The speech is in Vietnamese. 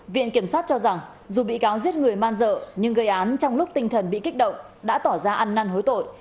viện kiểm sát cho rằng dù bị cáo giết người man dợ nhưng gây án trong lúc tinh thần bị kích động đã tỏ ra ăn năn hối tội